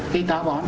cây táo bón